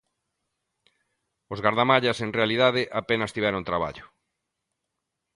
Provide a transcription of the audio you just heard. Os gardamallas, en realidade, apenas tiveron traballo.